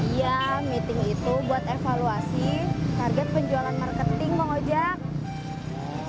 iya meeting itu buat evaluasi target penjualan marketing bang ojak